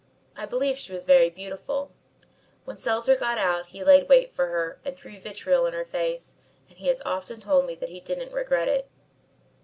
I believe she was very beautiful. When Selser got out he laid wait for her and threw vitriol in her face, and he has often told me that he didn't regret it.